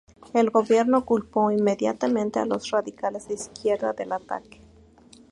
El gobierno culpó inmediatamente a los radicales de izquierda del ataque.